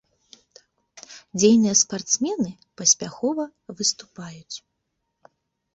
Дзейныя спартсмены, паспяхова выступаюць.